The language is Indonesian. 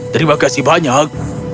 terima kasih banyak